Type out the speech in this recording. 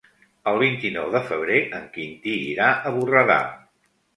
El vint-i-nou de febrer en Quintí irà a Borredà.